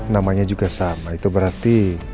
namanya juga sama itu berarti